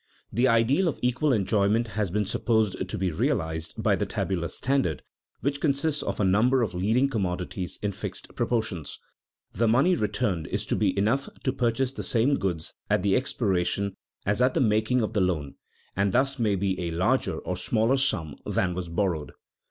The ideal of equal enjoyment has been supposed to be realized by the tabular standard, which consists of a number of leading commodities in fixed proportions. The money returned is to be enough to purchase the same goods at the expiration as at the making of the loan, and thus may be a larger or smaller sum than was borrowed.